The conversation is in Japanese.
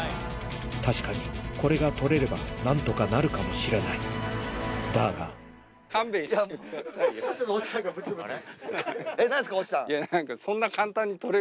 確かにこれが撮れればなんとかなるかもしれないだがハハハハ！